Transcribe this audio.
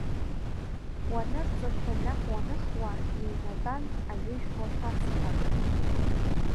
Уанырҵошәа наҟ уаныхуа, иҩнатәан аҩыжәуа ԥацхак.